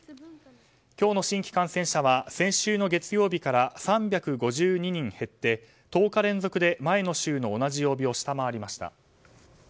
今日の新規感染者は先週の月曜日から３５２人減って１０日連続で前の週の同じ曜日を下回りました。